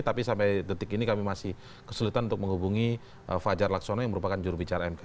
tapi sampai detik ini kami masih kesulitan untuk menghubungi fajar laksono yang merupakan jurubicara mk